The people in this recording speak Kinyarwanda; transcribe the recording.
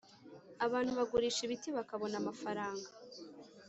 Abantu bagurisha ibiti bakabona amafaranga